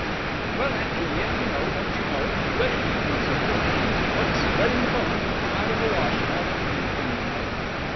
'Well, Aunt Julia, you know, don't you know? Heredity, and so forth. What's bred in the bone will come out in the wash, and all that kind of thing, you know.'